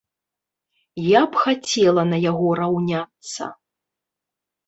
Я б хацела на яго раўняцца.